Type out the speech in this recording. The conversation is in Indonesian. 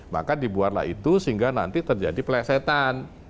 maka dibuatlah itu sehingga nanti terjadi pelesetan